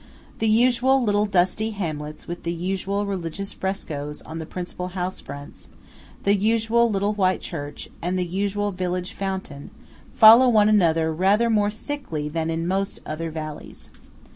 The usual little dusty hamlets with the usual religious frescoes on the principal house fronts, the usual little white church, and the usual village fountain, follow one another rather more thickly than in most other valleys.